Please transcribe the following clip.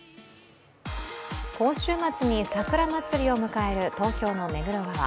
今週末に桜まつりを迎える東京の目黒川。